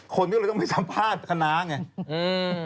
คนก็เลยต้องไปสัมภาษณ์คณะไง